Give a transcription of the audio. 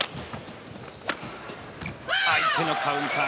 相手のカウンター。